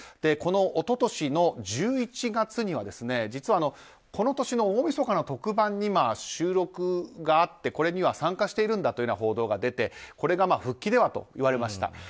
この一昨年の１１月には実はこの年の大みそかの特番に収録があって、これには参加しているんだというような報道が出て、これが復帰では？といわれました。